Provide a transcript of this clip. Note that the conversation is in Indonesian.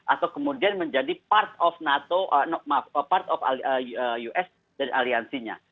atau kemudian menjadi part of us dari aliansinya